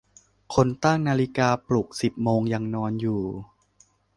คนตั้งนาฬิกาปลุกสิบโมงยังนอนอยู่